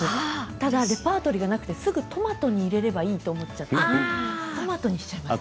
ただレパートリーがないのでトマトを入れればいいと思ってトマトにしちゃいます。